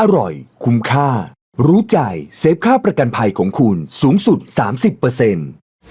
อร่อยคุ้มค่ารู้ใจเซฟค่าประกันภัยของคุณสูงสุดสามสิบเปอร์เซ็นต์